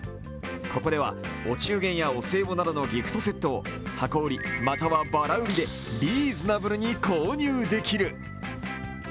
ここではお中元やお歳暮などのギフトセットを箱売り、またはばら売りでリーズナブルに購入できる。